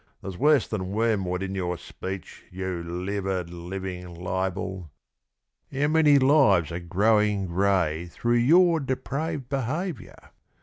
There's worse than wormwood in your speech, You livid, living libel! How many lives are growing gray Through your depraved behaviour!